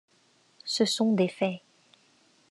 Ce sont des faits.